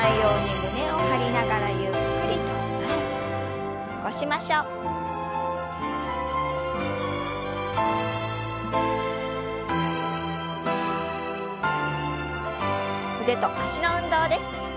腕と脚の運動です。